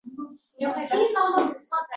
Jar esa ularga qaradi...